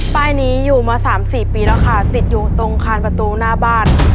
ป้ายนี้อยู่มา๓๔ปีแล้วค่ะติดอยู่ตรงคานประตูหน้าบ้าน